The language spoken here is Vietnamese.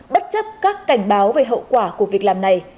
bất chấp các cảnh báo về hậu quả của việc làm này